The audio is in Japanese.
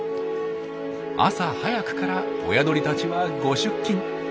朝早くから親鳥たちはご出勤。